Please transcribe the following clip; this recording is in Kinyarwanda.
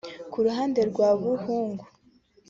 Ku ruhande rwa Buhungu